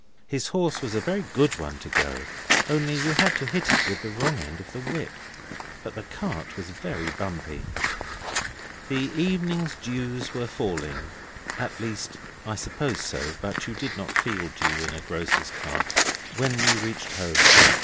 His horse was a very good one to go, only you had to hit it with the wrong end of the whip. But the cart was very bumpety. The evening dews were falling at least, I suppose so, but you do not feel dew in a grocer's cart when we reached home.